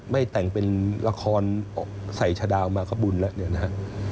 ไม่แต่งเป็นละครใส่ชะดาวมาก็บุญแล้วเนี่ยนะฮะ